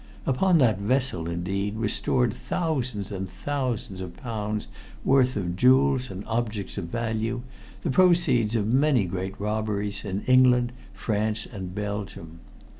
Upon that vessel, indeed, was stored thousands and thousands of pounds' worth of jewels and objects of value, the proceeds of many great robberies in England, France and Belgium.